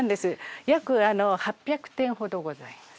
約８００点ほどございます。